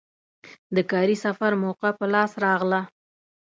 د کاري سفر موکه په لاس راغله.